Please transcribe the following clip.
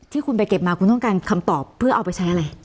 ที่คุณไปเก็บมาคุณต้องการคำตอบเพื่อเอาไปใช้อะไร